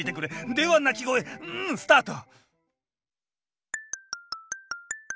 では鳴き声うんスタート